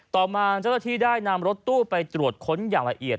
ต่อมาเจ้าหน้าที่ได้นำรถตู้ไปตรวจค้นอย่างละเอียด